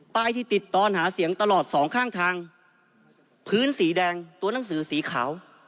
ที่ติดตอนหาเสียงตลอดสองข้างทางพื้นสีแดงตัวหนังสือสีขาว